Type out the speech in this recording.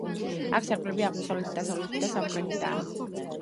აქ სარკმლები აღმოსავლეთით, დასავლეთით და სამხრეთითაა.